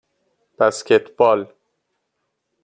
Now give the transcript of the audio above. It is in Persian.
بسکتبال